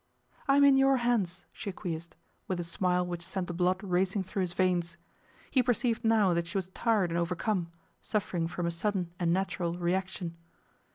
'I am in your hands,' she acquiesced, with a smile which sent the blood racing through his veins. He perceived now that she was tired and overcome, suffering from a sudden and natural reaction.